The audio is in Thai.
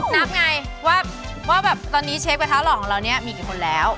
นับไงว่าแบบตอนนี้เชฟกระทะหล่อของเราเนี่ยมีกี่คนแล้ว